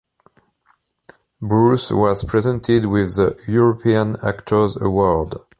Bruce was presented with the European Actors Award.